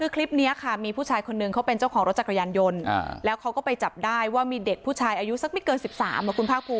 คลิปนี้ค่ะมีผู้ชายคนนึงเขาเป็นเจ้าของรถจักรยานยนต์แล้วเขาก็ไปจับได้ว่ามีเด็กผู้ชายอายุสักไม่เกิน๑๓คุณภาคภูมิ